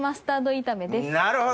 なるほど！